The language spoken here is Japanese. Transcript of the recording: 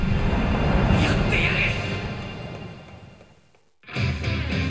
やってやる！